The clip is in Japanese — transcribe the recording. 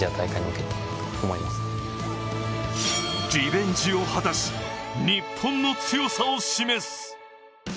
リベンジを果たし、日本の強さを示す。